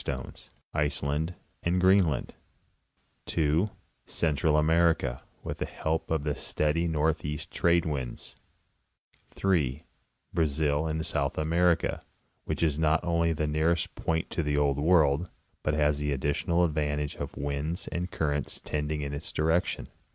225 stones, Iceland and Greenland; (2) Central America, with the help of the steady northeast trade winds; (3) Brazil, in South America, which is not only the nearest point to the Old World, but has the additional advantage of winds and currents tending in its direction.